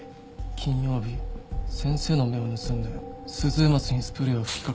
金曜日先生の目を盗んでスズエマツにスプレーを吹きかけた。